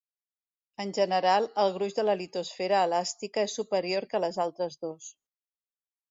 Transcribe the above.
En general el gruix de la litosfera elàstica és superior que les altres dos.